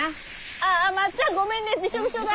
ああまっちゃんごめんねビショビショだ。